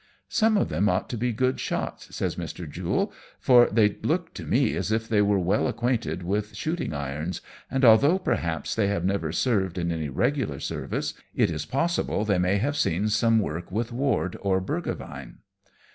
" Some of them ought to be good shots," says Mr. Jule, " for they look to me as if they were well acquainted with shooting irons, and, although perhaps they have never served in any regular service, it is possible they may have seen some work with Ward or Burgevine."